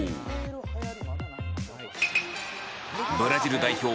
ブラジル代表